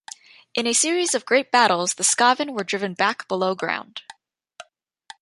In a series of great battles the Skaven were driven back below ground.